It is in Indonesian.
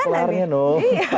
gak kelar kelarnya dong